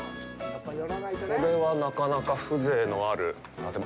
これは、なかなか風情のある建物。